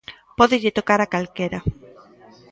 Pódelle tocar a calquera.